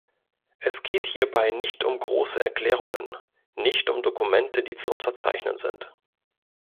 Es geht hierbei nicht um große Erklärungen, nicht um Dokumente, die zu unterzeichnen sind.